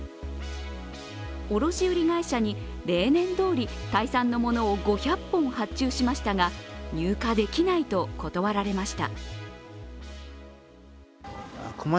卸売会社に例年どおりタイ産のものを５００本発注しましたが入荷できないと断られました。